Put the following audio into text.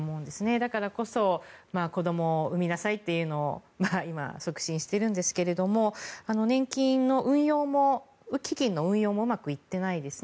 だからこそ子どもを産みなさいというのを今、促進しているんですが年金の運用も、基金の運用もうまくいっていないですね